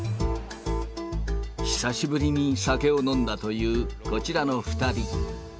久しぶりに酒を飲んだというこちらの２人。